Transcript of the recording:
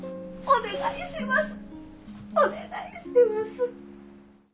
お願いします。